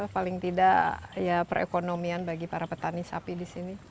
paling tidak ya perekonomian bagi para petani sapi di sini